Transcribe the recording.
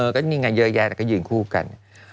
ก็มีงานเยอะแยะแต่ก็ยืนคู่กัน